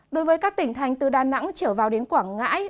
đối với các tỉnh thành từ đà nẵng trở vào đến quảng ngãi